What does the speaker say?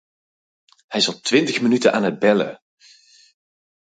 Hij is al twintig minuten aan het bellen.